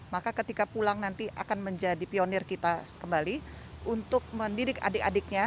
maka ketika pulang nanti akan menjadi pionir kita kembali untuk mendidik adik adiknya